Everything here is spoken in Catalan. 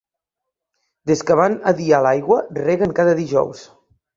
Des que van adiar l'aigua, reguen cada dijous.